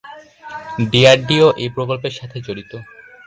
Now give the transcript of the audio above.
DRDO এই প্রকল্পের সাথে জড়িত।